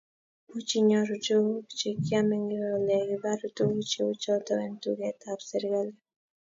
Much inyoru tuguk chekiame ngiwe ole kibaru tuguk cheuchotok eng duket tab serikali